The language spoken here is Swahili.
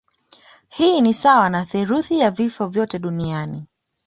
Hii ni sawa na theluthi ya vifo vyote duniani